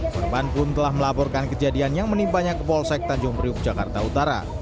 korban pun telah melaporkan kejadian yang menimpanya ke polsek tanjung priuk jakarta utara